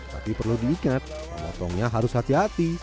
tapi perlu diingat pemotongnya harus hati hati